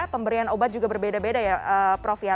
pemberian obat juga berbeda beda ya prof ya